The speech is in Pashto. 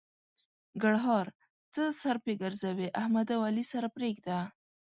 ګړهار: څه سر په ګرځوې؛ احمد او علي سره پرېږده.